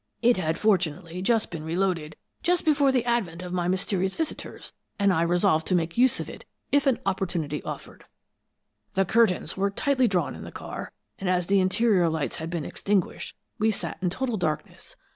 It had fortunately just been reloaded before the advent of my mysterious visitors, and I resolved to make use of it if an opportunity offered. "The curtains were tightly drawn in the car, and as the interior lights had been extinguished, we sat in total darkness.